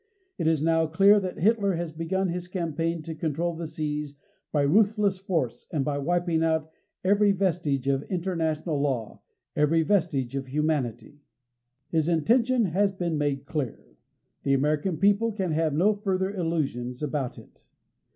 It is now clear that Hitler has begun his campaign to control the seas by ruthless force and by wiping out every vestige of international law, every vestige of humanity. His intention has been made clear. The American people can have no further illusions about it.